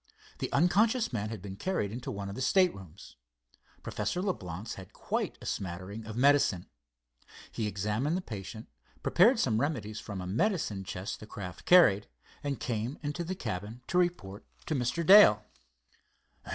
The unconscious man had been carried into one of the staterooms. Professor Leblance had quite a smattering of medicine. He examined the patient, prepared some remedies from a medicine chest the craft carried, and came into the cabin to report to Mr. Dale.